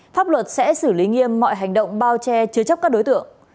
pháp luật sẽ xử lý nghiêm mọi hành động bao che chứa chấp các đối tượng